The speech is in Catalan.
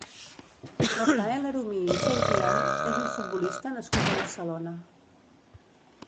Rafael Arumí i Cebrian és un futbolista nascut a Barcelona.